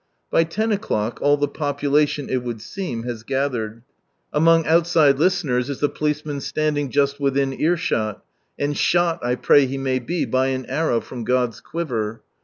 By ten o'clock all the population it would seem has gathered Among outside Amen. Hallelujah! 177 listeners is the policeman standing just witiiin earshot ; and shot I pray he may be by an arrow from God's quiver.